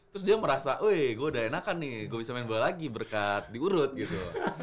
terus dia merasa weh gue udah enakan nih gue bisa main bola lagi berkat diurut gitu